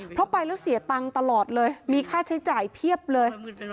เพราะไปแล้วเสียตังค์ตลอดเลยมีค่าใช้จ่ายเพียบเลย